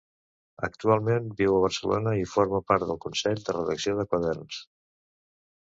Actualment viu a Barcelona i forma part del consell de redacció de Quaderns.